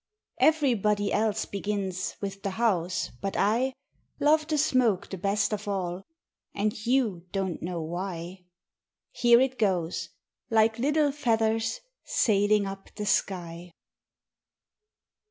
Everybody else begins With the House. But I Love the Smoke the best of all; And you don't know why!... Here it goes, like little feathers, Sailing up the sky!